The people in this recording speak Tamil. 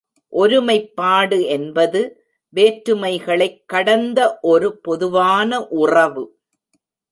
ஒருமைப்பாடு என்பது வேற்றுமைகளைக் கடந்த ஒரு பொதுவான உறவு.